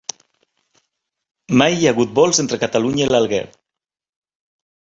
Mai hi ha hagut vols entre Catalunya i l'Alguer